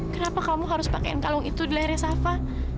kenapa kamu harus pakein kalung itu di lahirnya sava